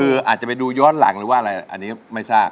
คืออาจจะไปดูย้อนหลังหรือว่าอะไรอันนี้ไม่ทราบ